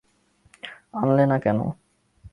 আনলে না কেন?